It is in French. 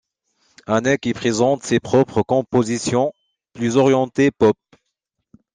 Anneke y présente ses propres compositions, plus orientées pop.